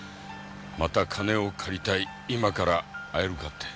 また金を借りたい今から会えるかって。